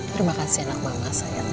terima kasih anak mama saya